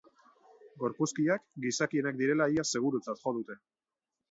Gorpuzkiak gizakienak direla ia segurutzat jo dute.